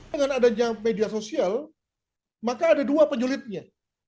dengan adanya media sosial maka ada dua penyulitnya